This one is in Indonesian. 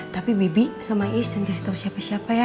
tapi bibi sama isyan kasih tau siapa siapa ya